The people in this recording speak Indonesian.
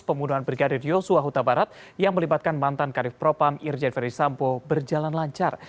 pemuduan brigadir yosua huta barat yang melibatkan mantan karif propam irjen ferry sampo berjalan lancar